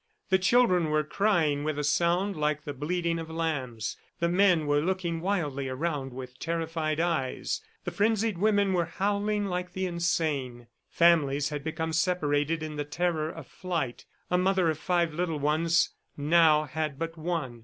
The children were crying with a sound like the bleating of lambs; the men were looking wildly around with terrified eyes; the frenzied women were howling like the insane. Families had become separated in the terror of flight. A mother of five little ones now had but one.